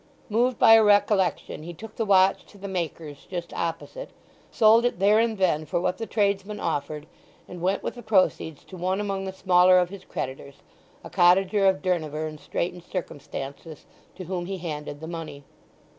Moved by a recollection he took the watch to the maker's just opposite, sold it there and then for what the tradesman offered, and went with the proceeds to one among the smaller of his creditors, a cottager of Durnover in straitened circumstances, to whom he handed the money.